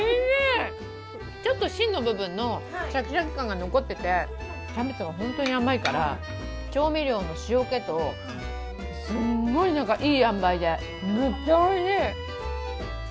ちょっと芯の部分のシャキシャキ感が残っててキャベツが本当に甘いから調味料の塩気と、すごいいいあんばいで、めっちゃおいしい。